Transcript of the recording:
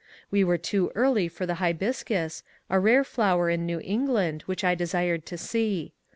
We were too early for the hibiscus^ a rare flower in New England, which I desired to see.